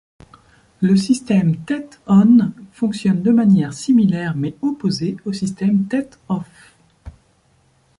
Le système Tet-On fonctionne de manière similaire mais opposée au système Tet-Off.